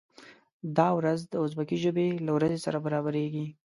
دا ورځ د ازبکي ژبې له ورځې سره برابریږي.